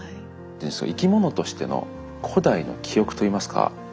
生き物としての古代の記憶と言いますか。